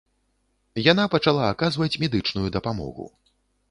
Яна пачала аказваць медычную дапамогу.